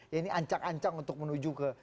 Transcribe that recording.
ya ini ancang ancang untuk menuju ke